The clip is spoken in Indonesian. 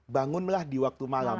bangunlah di waktu malam